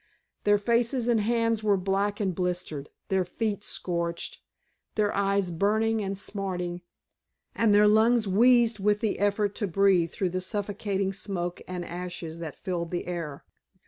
Their faces and hands were black and blistered, their feet scorched, their eyes burning and smarting, and their lungs wheezed with the effort to breathe through the suffocating smoke and ashes that filled the air.